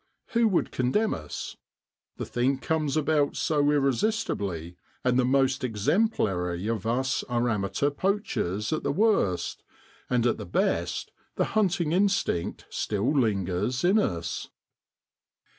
Who would condemn us ? The thing comes about so irresistibly, and the most exemplary of us are amateur poachers at the worst, and at the best the hunting instinct still lingers in us.